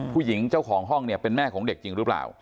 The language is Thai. ผู้หญิงเจ้าของห้องเนี่ยเป็นแม่ของเด็กจริงหรือเปล่า